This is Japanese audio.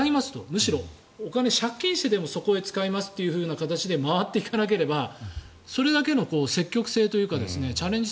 むしろ借金してでもそこへ使いますという形で回っていかなければそこまでの精神性というかチャレンジ